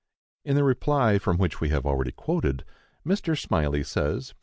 In the reply from which we have already quoted, Mr. Smylie says (p.